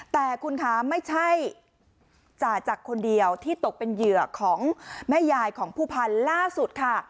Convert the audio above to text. แต่คุณคะไม่ใช่จ่าจักรคนเดียวที่ตกเป็นเหยื่อของแม่ยายของผู้พันธุ์ล่าสุดค่ะ